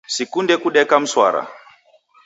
Sikunde kudeka mswara.